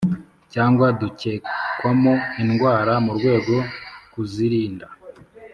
Cyangwa dukekwamo indwara mu rwego kuzirinda